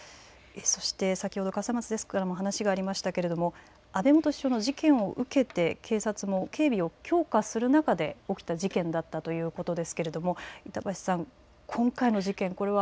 先ほど笠松デスクからも話がありましたけれども安倍元首相の事件を受けて警察も警備を強化する中で起きた事件だということですけれども板橋さん、今回の事件、これは。